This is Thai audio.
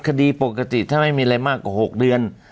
คดีปกติถ้าไม่มีอะไรมากกว่า๖เดือน